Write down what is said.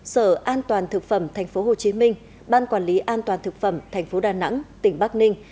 sở an toàn thực phẩm thành phố hồ chí minh ban quản lý an toàn thực phẩm thành phố đà nẵng tỉnh bắc ninh